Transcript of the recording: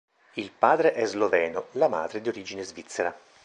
Il padre è sloveno, la madre di origine svizzera.